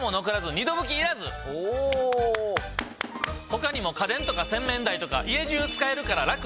他にも家電とか洗面台とか家じゅう使えるからラク！